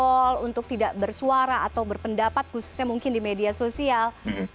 jarang berpengambilan tidak bersuara memiliki pendapat khususnya di media sosial